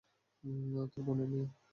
তোর বোনের মেয়ে।